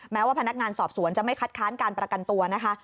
แม้ว่าพนักงานสอบสวนจะไม่คัดค้านการประกันตัวนะคะ